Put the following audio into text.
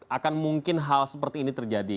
akan mungkin hal seperti ini terjadi